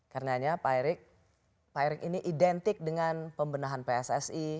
karenanya pak erik pak erick ini identik dengan pembenahan pssi